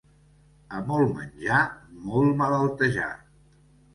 A molt menjar, molt malaltejar.